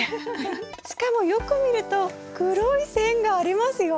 しかもよく見ると黒い線がありますよ。